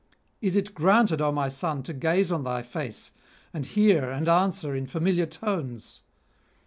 Is it granted, O my son, to gaze on thy face and hear and answer in familiar tones?